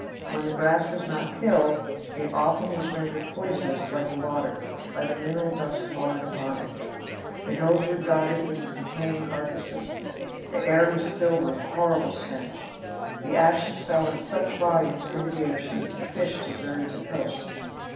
Where the grass was not killed, it often was rendered poisonous, like the water, by the mineral dust falling upon it. The hills were dotted with the decaying carcasses. The air was filled with horrible stench. The ashes fell in such volumes into the ocean that the fish deserted the coast.